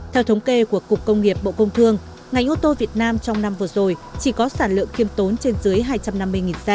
theo thống kê của cục công nghiệp bộ công thương ngành ô tô việt nam trong năm vừa rồi chỉ có sản lượng khiêm tốn trên dưới hai trăm năm mươi xe